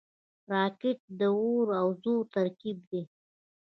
راکټ د اور او زور ترکیب دی